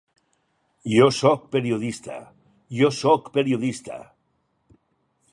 Jo sóc periodista, jo sóc periodista!